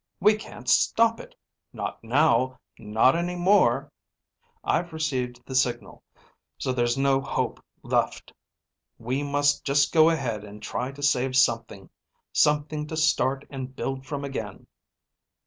We can't stop it, not now, not any more. I've received the signal, so there's no hope left. We must just go ahead and try to save something, something to start and build from again."